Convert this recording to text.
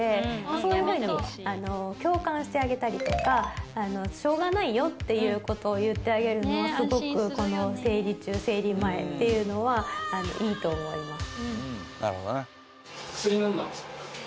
そういうふうに共感してあげたりとか「しょうがないよ」っていう事を言ってあげるのはすごくこの生理中生理前っていうのはいいと思います。